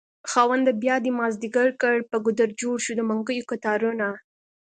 خاونده بيادی مازد يګر کړ په ګودر جوړشو دمنګيو کتارونه